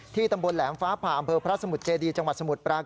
ตำบลแหลมฟ้าผ่าอำเภอพระสมุทรเจดีจังหวัดสมุทรปราการ